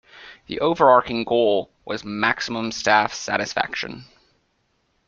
The overarching goal was maximum staff satisfaction.